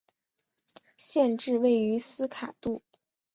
县治位于斯卡杜。